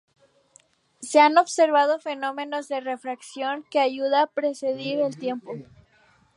Se han observado fenómenos de refracción que ayudan a predecir el tiempo.